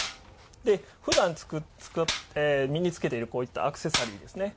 でふだん身につけているこういったアクセサリーですね。